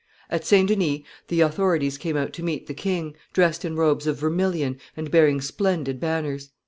At St. Denis the authorities came out to meet the king, dressed in robes of vermilion, and bearing splendid banners.